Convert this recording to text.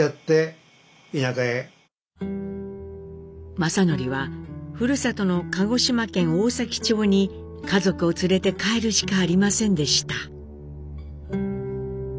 正徳はふるさとの鹿児島県大崎町に家族を連れて帰るしかありませんでした。